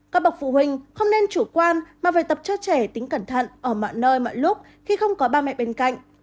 các bậc phụ huynh không nên chủ quan mà phải tập cho trẻ tính cẩn thận ở mọi nơi mọi lúc khi không có ba mẹ bên cạnh